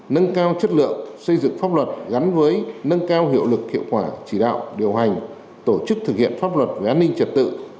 nâng cao chất lượng xây dựng pháp luật gắn với nâng cao hiệu lực hiệu quả chỉ đạo điều hành tổ chức thực hiện pháp luật về an ninh trật tự